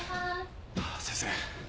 ああ先生。